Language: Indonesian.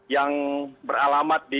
yang beralamat di